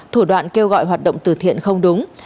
thủ đoạn kêu gọi hoạt động từ thiện không đúng